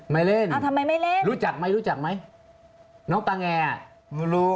ไม่เล่นรู้จักไหมน้องตางแยร่